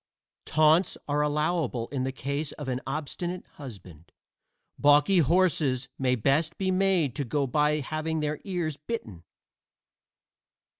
Taunts are allowable in the case of an obstinate husband: balky horses may best be made to go by having their ears bitten.